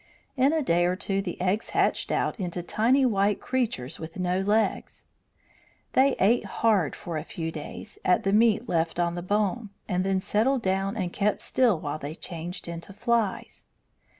In a day or two the eggs hatched out into tiny white creatures with no legs. They ate hard for a few days at the meat left on the bone, and then settled down and kept still while they changed into flies.